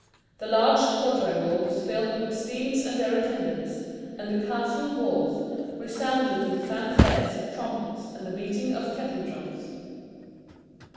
The large quadrangle was filled with steeds and their attendants, and the castle walls resounded with the fanfares of trumpets and the beating of kettledrums.